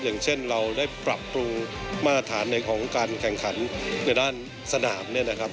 อย่างเช่นเราได้ปรับปรุงมาตรฐานของการแข่งขันในด้านสนาม